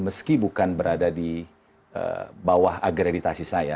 meski bukan berada di bawah agreditasi saya